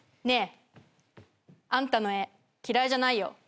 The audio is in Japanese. ねえあんたの絵嫌いじゃないよ。